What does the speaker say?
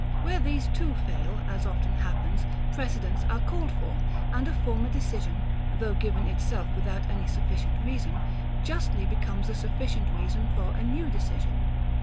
Where these too fail, as often happens, precedents are called for; and a former decision, though given itself without any sufficient reason, justly becomes a sufficient reason for a new decision.